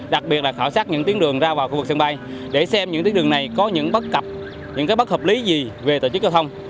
đặc biệt là khảo sát những tiến đường ra vào khu vực sân bay để xem những tiến đường này có những bất hợp lý gì về tổ chức cơ thông